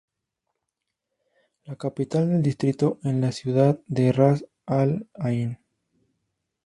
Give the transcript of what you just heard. La capital del distrito es la ciudad de Ras al-Ayn.